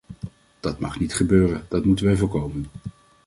Dat mag niet gebeuren, dat moeten wij voorkomen.